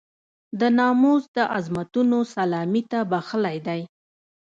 د ناموس د عظمتونو سلامي ته بخښلی دی.